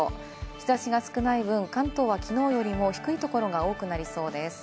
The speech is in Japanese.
日差しが少ない分、関東はきのうよりも低いところが多くなりそうです。